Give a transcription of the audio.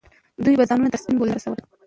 دوی به ځانونه تر سپین بولدکه رسولي.